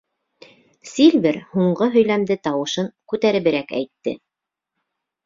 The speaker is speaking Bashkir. Сильвер һуңғы һөйләмде тауышын күтәреберәк әйтте.